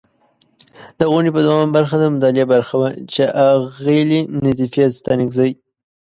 د غونډې په دوهمه برخه، د مطالعې برخه وه چې اغلې نظیفې ستانکزۍ